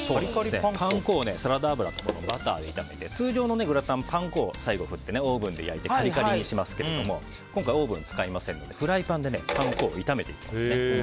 パン粉をサラダ油とバターで炒めて通常のグラタンパン粉を最後に振ってオーブンで焼いてカリカリにしますけど今回はオーブンを使いませんのでフライパンでパン粉を炒めていきます。